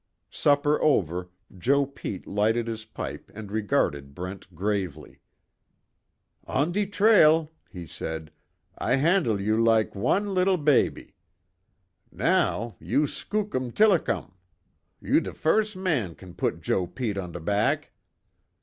Supper over, Joe Pete lighted his pipe and regarded Brent gravely: "On de trail," he said, "I handle you lak wan leetle baby. Now, you skookum tillicum. You de firs mans kin put Joe Pete on de back.